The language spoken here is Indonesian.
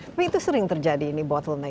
tapi itu sering terjadi ini bottleneck